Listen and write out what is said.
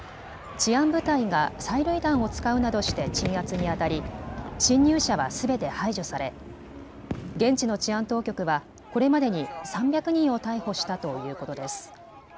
治安部隊が催涙弾を使うなどして鎮圧にあたり侵入者はすべて排除され現地の治安当局はこれまでに３００人を逮捕したということです。